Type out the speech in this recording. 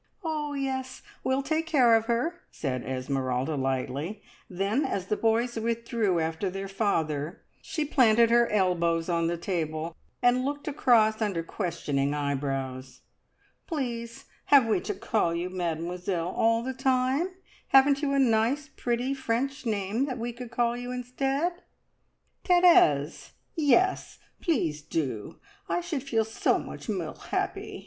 "Oh yes, we'll take care of her!" said Esmeralda lightly; then, as the boys withdrew after their father, she planted her elbows on the table and looked across under questioning eyebrows. "Please, have we to call you `Mademoiselle' all the time? Haven't you a nice, pretty French name that we could call you instead?" "Therese! Yes, please do! I should feel so much more happy!"